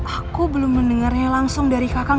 aku belum mendengarnya langsung dari kakang